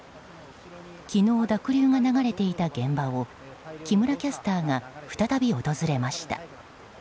昨日、濁流が流れていた現場を木村キャスターが再び訪れました。